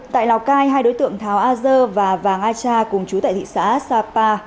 tại lào cai hai đối tượng tháo a dơ và vàng a cha cùng chú tại thị xã sapa